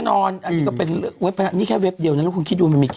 เนี่ยครับ